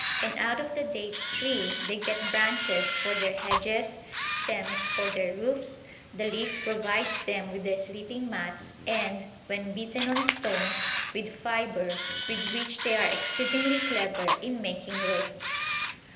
And out of the date tree they get branches for their hedges, stems for their roofs; the leaf provides them with their sleeping mats, and, when beaten on stones, with fibre, with which they are exceedingly clever in making ropes.